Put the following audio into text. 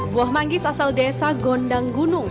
buah manggis asal desa gondang gunung